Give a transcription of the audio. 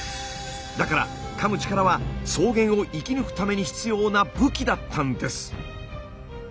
だからかむ力は草原を生き抜くために必要な「武器」だったんです。